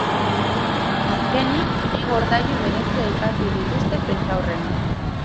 Azkenik, bi gordailu berezi aipatu dituzte prentsaurrean.